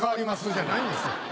じゃないんですよ